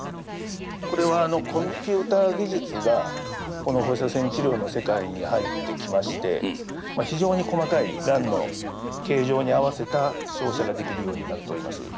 これはコンピューター技術がこの放射線治療の世界に入ってきまして非常に細かいがんの形状に合わせた照射ができるようになっております。